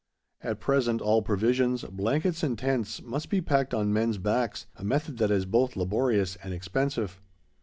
At present all provisions, blankets, and tents must be packed on men's backs, a method that is both laborious and expensive.